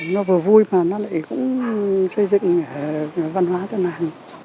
nó vừa vui mà nó lại cũng xây dựng văn hóa cho nàng